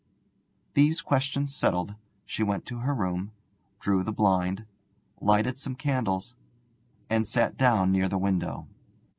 These questions settled, she went to her room, drew the blind, lighted some candles, and sat down near the window.